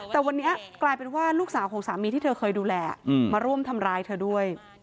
แต่วันนี้กลายเป็นว่าลูกสาวของสามีที่เธอเคยดูแลมาร่วมทำร้ายเธอด้วย